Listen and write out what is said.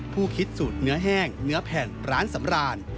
คิดสูตรเนื้อแห้งเนื้อแผ่นร้านสำราน